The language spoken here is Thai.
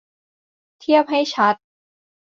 เทียบให้ชัด